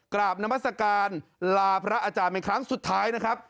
นามัศกาลลาพระอาจารย์เป็นครั้งสุดท้ายนะครับ